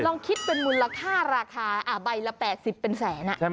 ลองคิดเป็นมูลค่าราคาใบละ๘๐เป็นแสน